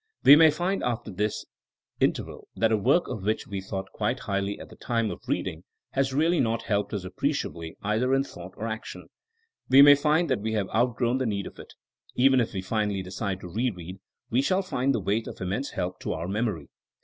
We may find after this in terval that a work of which we thought quite highly at the time of reading has really not helped us appreciably either in thought or ao ^ tion. We may find that we have outgrown the need of it. Even if we finally decide to re read we shall find the wait of immense help to our memory.